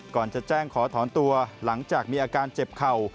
ก่อนจะแจ้งขอถอนตัวหลังจากมีอาการเจ็บเข่า